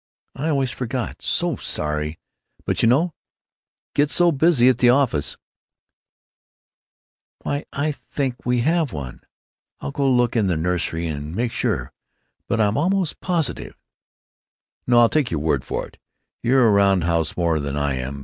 I always forget. So sorry. But you know—get so busy at the office——" "Why, I think we have one. I'll go look in the nursery and make sure, but I'm almost positive——" "No, I'll take your word for it. You're around the house more than I am....